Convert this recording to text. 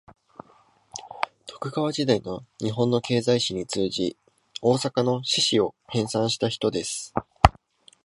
徳川時代の日本の経済史に通じ、大阪の市史を編纂した人です